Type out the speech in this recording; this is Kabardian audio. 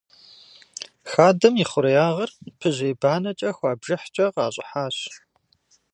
Хадэм и хъуреягъыр пыжьей банэкӏэ хуа бжыхькӏэ къащӏыхьащ.